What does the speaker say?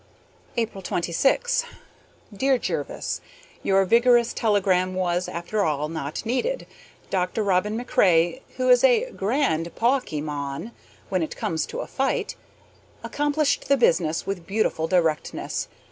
April 26. Dear Jervis: Your vigorous telegram was, after all, not needed. Dr. Robin MacRae, who is a grand PAWKY mon when it comes to a fight, accomplished the business with beautiful directness.